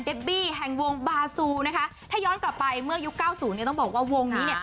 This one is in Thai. บี้แห่งวงบาซูนะคะถ้าย้อนกลับไปเมื่อยุคเก้าศูนย์เนี่ยต้องบอกว่าวงนี้เนี่ย